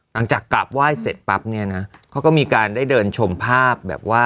หลังจากกลับไหว้เสร็จปั๊บขอก็มีการได้เดินชมภาพ